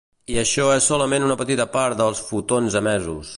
I això és solament una petita part dels fotons emesos.